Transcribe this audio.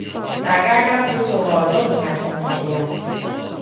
大家根本從來都唔係同路人